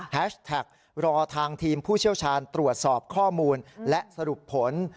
แท็กรอทางทีมผู้เชี่ยวชาญตรวจสอบข้อมูลและสรุปผล